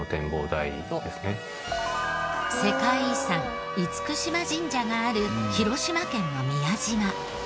世界遺産嚴島神社がある広島県の宮島。